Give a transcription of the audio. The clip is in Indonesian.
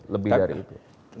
lebih dari itu